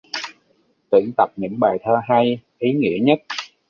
Tuyển tập những bài thơ hay, ý nghĩa nhất